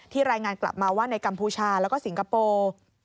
รายงานกลับมาว่าในกัมพูชาแล้วก็สิงคโปร์